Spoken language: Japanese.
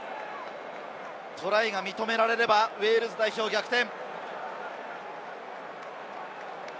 トライが認められればウェールズ代表逆転。